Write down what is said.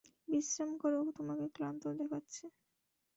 বিশ্রাম করো, তোমাকে ক্লান্ত দেখাচ্ছে।